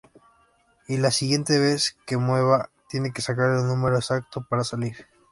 Y la siguiente vez que mueva, tiene que sacar el número exacto para salir.